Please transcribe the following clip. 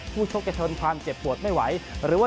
ผู้ชกจะทนความเจ็บปวดไม่ไหว